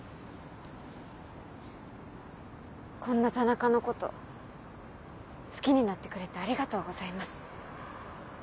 こんな田中のこと好きになってくれてありがとうございます。